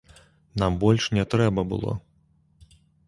Нам больш не трэба было.